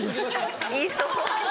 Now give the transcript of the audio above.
言いそう。